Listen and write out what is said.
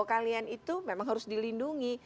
kalian itu memang harus dilindungi